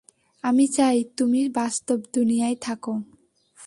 আমি চাই তুমি বাস্তব দুনিয়ায় থাকো।